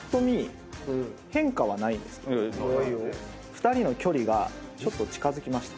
２人の距離がちょっと近づきました。